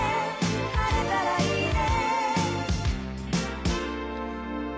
「晴れたらいいね」